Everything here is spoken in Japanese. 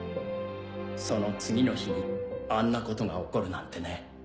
その次の日にあんなことが起こるなんてね。